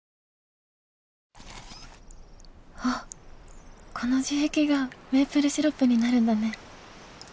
あっこの樹液がメープルシロップになるんだね。